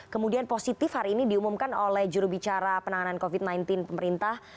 kemudian positif hari ini diumumkan oleh jurubicara penanganan covid sembilan belas pemerintah